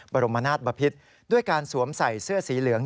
บรมนาศบพิษด้วยการสวมใส่เสื้อสีเหลือง